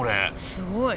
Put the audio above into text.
すごい。